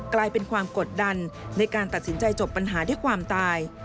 กลายเป็นความกดดันในการตัดสินใจจบปัญหาด้วยความตาย